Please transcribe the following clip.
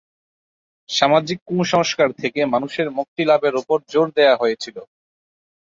সামাজিক কুসংস্কার থেকে মানুষের মুক্তি লাভের ওপর জোর দেয়া হয়েছিলো।